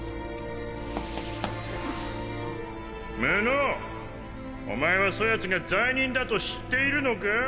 無能お前はそやつが罪人だと知っているのか？